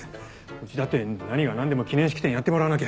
うちだって何がなんでも記念式典やってもらわなきゃ。